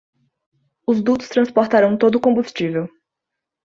Os dutos transportarão todo o combustível